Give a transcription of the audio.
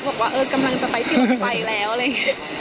บอกว่าเออกำลังจะไปที่รถไฟแล้วอะไรอย่างนี้